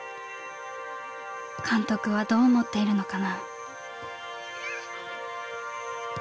監督はどう思っているのかな」。